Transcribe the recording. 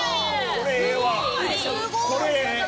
これええ！